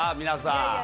皆さん。